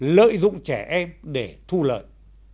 lợi dụng trẻ em để thu lợi